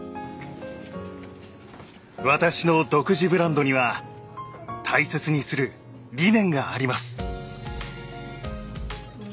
私の独自ブランドには大切にする理念があります。